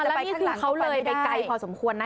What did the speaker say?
แล้วนี่คือเขาเลยไปไกลพอสมควรนะ